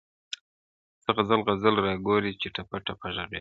څه غزل غزل راګورې څه ټپه ټپه ږغېږې,